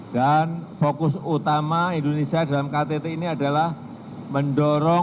dan fokus utama indonesia dalam ktt ini adalah mendorong